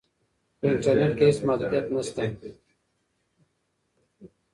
په انټرنیټ کې هیڅ محدودیت نشته.